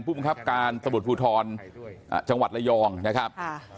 ผู้มังคับการสมุทรภูทรจังหวัดระยองนะครับ